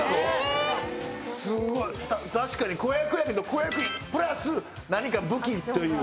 すごい確かに子役やけど子役プラス何か武器という。